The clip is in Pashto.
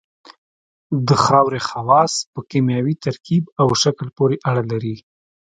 د خاورې خواص په کیمیاوي ترکیب او شکل پورې اړه لري